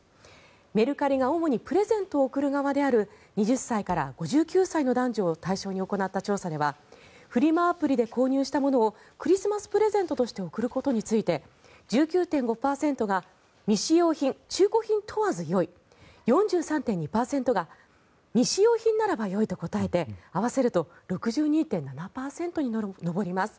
メルカリが主にプレゼントを贈る側である２０歳から５９歳の男女を対象に行った調査ではフリマアプリで購入したものをクリスマスプレゼントとして贈ることについて１９．５％が未使用品・中古品問わずよい４３．２％が未使用品ならばよいと答えて合わせると６２．７％に上ります。